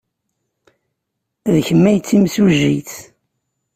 D kemm ay d timsujjit.